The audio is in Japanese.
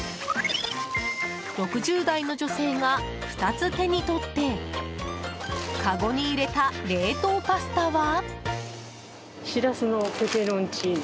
６０代の女性が２つ手に取ってかごに入れた冷凍パスタは？